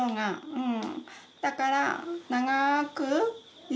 うん。